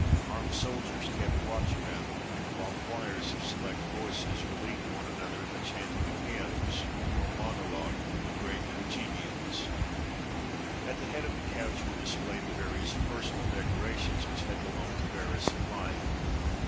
Armed soldiers kept watch around it, while choirs of select voices relieved one another in the chanting of hymns or monologues from the great tragedians. At the head of the couch were displayed the various personal decorations which had belonged to Verus in life.